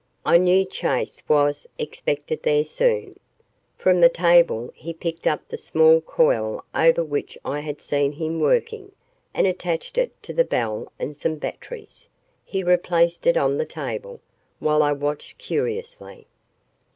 I knew Chase was expected there soon. From the table he picked up the small coil over which I had seen him working, and attached it to the bell and some batteries. He replaced it on the table, while I watched curiously.